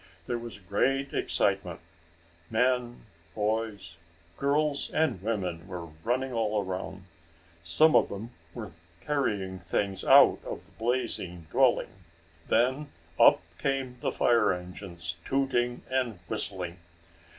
There was great excitement. Men, boys, girls and women were running all around. Some of them were carrying things out of the blazing dwelling. Then up came the fire engines, tooting and whistling.